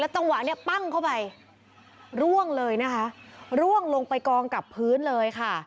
จังหวะเนี่ยปั้งเข้าไปร่วงเลยนะคะร่วงลงไปกองกับพื้นเลยค่ะ